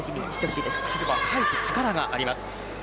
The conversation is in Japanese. シルバは返す力があります。